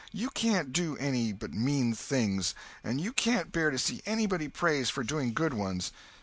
You can't do any but mean things, and you can't bear to see anybody praised for doing good ones.